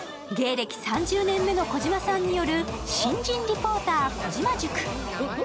芸歴３０年目の児嶋さんによる新人リポーター児嶋塾。